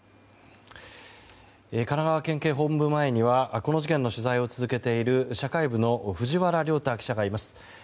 神奈川県警本部前にはこの事件の取材を続けている社会部の藤原良太記者がいます。